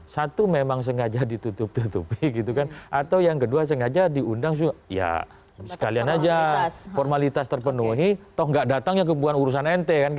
satu memang sengaja ditutup tutupi gitu kan atau yang kedua sengaja diundang sekalian aja formalitas terpenuhi atau tidak datangnya kebukan urusan nt